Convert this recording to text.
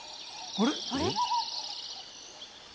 あれ？